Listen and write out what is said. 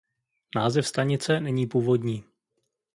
Název stanice není původní.